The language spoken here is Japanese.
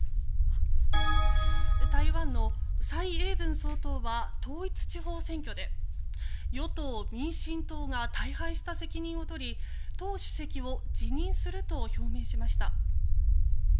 台湾の蔡英文総統は統一地方選挙で与党・民進党が大敗した責任を取り党主席を辞任すると表明しました。